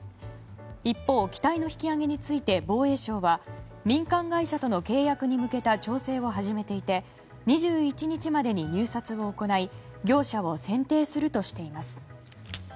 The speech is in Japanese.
一方、機体の引き揚げについて防衛省は民間会社との契約に向けた調整を始めていて２１日までに入札を行い業者を選定するとしています。